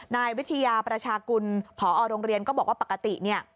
นายวิทยาประชากุลผอโรงเรียนก็บอกว่าปกติเนี่ย